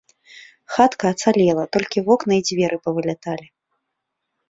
Хатка ацалела, толькі вокны і дзверы павыляталі.